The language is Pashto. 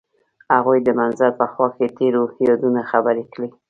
هغوی د منظر په خوا کې تیرو یادونو خبرې کړې.